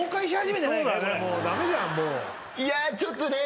いやちょっとね。